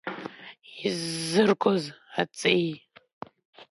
Иззыргоз Аҵеи.